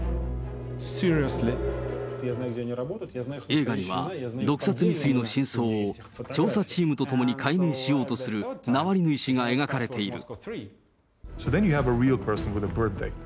映画には、毒殺未遂の真相を、調査チームと共に解明しようとするナワリヌイ氏が描かれている。